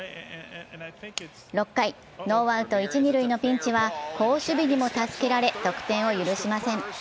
６回ノーアウト一・二塁のピンチは好守備にも助けられ得点を許しません。